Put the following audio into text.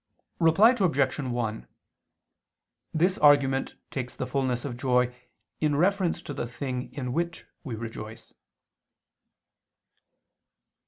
Reply Obj. 1: This argument takes the fulness of joy in reference to the thing in which we rejoice.